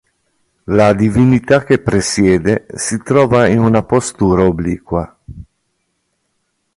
La divinità che presiede si trova in una postura obliqua.